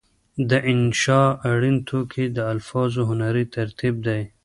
د انشأ اړین توکي د الفاظو هنري ترتیب دی.